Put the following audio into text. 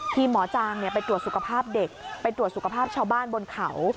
หมอจางไปตรวจสุขภาพเด็กไปตรวจสุขภาพชาวบ้านบนเขา